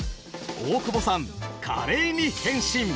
大久保さん華麗に変身。